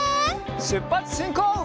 しゅっぱつしんこう！